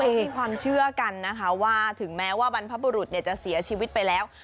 เขามีความเชื่อกันนะคะว่าถึงแม้ว่าบรรพบุรุษจะเสียชีวิตไปแล้ว